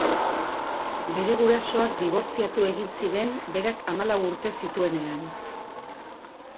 Bere gurasoak dibortziatu egin ziren berak hamalau urte zituenean.